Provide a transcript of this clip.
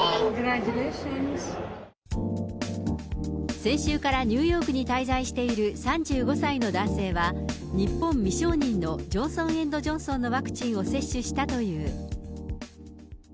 先週からニューヨークに滞在している３５歳の男性は、日本未承認のジョンソン・エンド・ジョンソンのワクチンを接種したという。